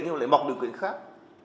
nhưng mà lại mọc điều kiện khác